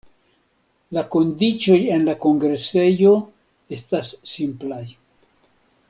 La kondiĉoj en la kongresejo estas simplaj.